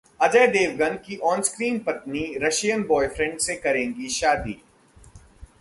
अजय देवगन की on screen पत्नी Russian boyfriend से करेंगी शादी